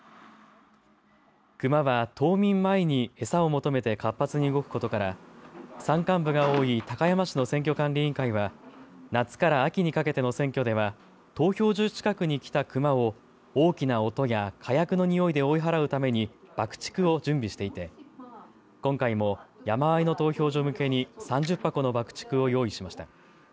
クマは冬眠前に餌を求めて活発に動くことから山間部が多い高山市の選挙管理委員会は夏から秋にかけての選挙では投票所近くに来たクマを大きな音や火薬のにおいで追い払うために爆竹を準備していて今回も山あいの投票所向けに３０箱の爆竹を用意しました。